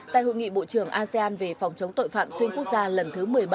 tại hội nghị bộ trưởng asean về phòng chống tội phạm xuyên quốc gia lần thứ một mươi bảy